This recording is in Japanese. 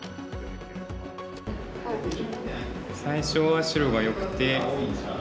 最初は白がよくて。